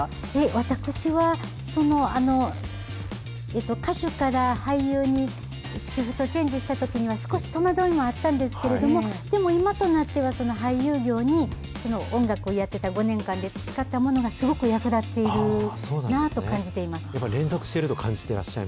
私は、歌手から俳優にシフトチェンジしたときには、少し戸惑いもあったんですけど、でも今となっては、その俳優業に音楽をやってた５年間で培ったものがすごく役立ってやっぱ連続していると感じてはい。